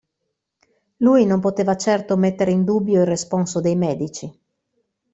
Lui non poteva certo mettere in dubbio il responso dei medici.